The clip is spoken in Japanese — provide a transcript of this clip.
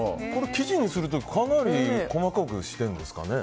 生地にするとかなり細かくしているんですかね。